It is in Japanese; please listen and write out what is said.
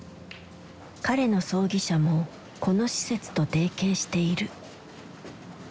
彼の葬儀社もこの施設と提携している。